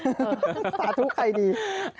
สาธุใครดี